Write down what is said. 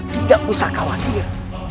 tidak usah khawatir